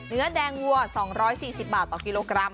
เนื้อแดงวัว๒๔๐บาทต่อกิโลกรัม